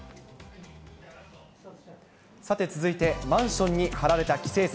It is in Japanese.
さて続いて、マンションに張られた規制線。